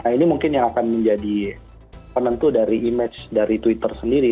ini mungkin yang akan menjadi penentu dari image dari twitter sendiri